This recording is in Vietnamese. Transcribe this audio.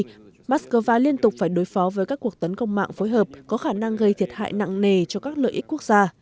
vì vậy moscow liên tục phải đối phó với các cuộc tấn công mạng phối hợp có khả năng gây thiệt hại nặng nề cho các lợi ích quốc gia